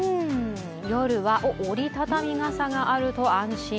夜は折り畳み傘があると安心。